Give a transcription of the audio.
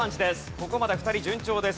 ここまで２人順調です。